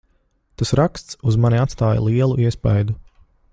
Tas raksts uz mani atstāja lielu iespaidu.